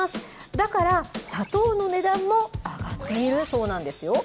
だから砂糖の値段も上がっているそうなんですよ。